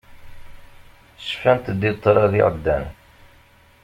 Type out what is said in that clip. Cfant-d i ṭṭrad iɛeddan.